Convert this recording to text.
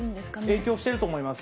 影響してると思います。